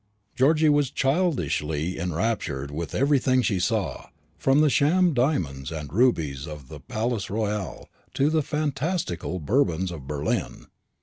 Georgy was childishly enraptured with everything she saw, from the sham diamonds and rubies of the Palais Royal, to the fantastical bonbons of Berlin.